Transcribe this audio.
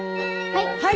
はい！